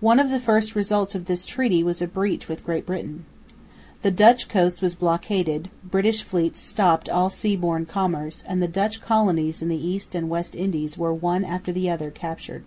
One of the first results of this treaty was a breach with Great Britain. The Dutch coast was blockaded; British fleets stopped all sea borne commerce; and the Dutch colonies in the East and West Indies were one after the other captured.